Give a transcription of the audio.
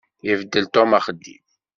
Ibeddel Tom axeddim.